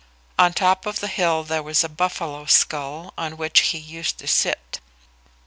On top of the hill there was a buffalo skull, on which he used to sit.